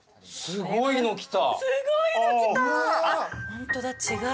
すごいの来た！